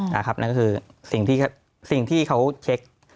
นั่นก็คือสิ่งที่เขาเช็ค